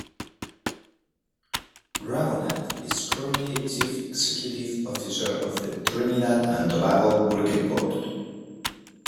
Ragoonath is currently Chief Executive Officer of the Trinidad and Tobago Cricket Board.